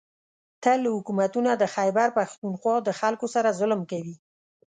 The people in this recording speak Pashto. . تل حکومتونه د خېبر پښتونخوا د خلکو سره ظلم کوي